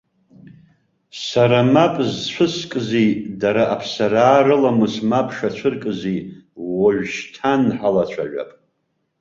Сара мап зцәыскызи, дара, аԥсараа рыламыс мап шацәыркызи уажәшьҭан ҳалацәажәап.